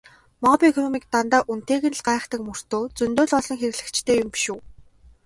Мобикомыг дандаа л үнэтэйг нь гайхдаг мөртөө зөндөө л олон хэрэглэгчтэй юм биш үү?